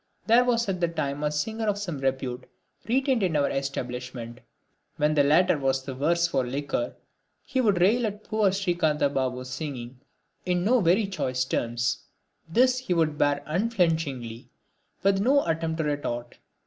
There was at the time a singer of some repute retained in our establishment. When the latter was the worse for liquor he would rail at poor Srikantha Babu's singing in no very choice terms. This he would bear unflinchingly, with no attempt at retort.